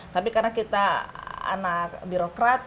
tapi karena kita anak birokrat